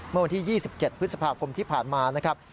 เมื่อวันที่๒๗พฤษภาคมที่ผ่านมานะครับ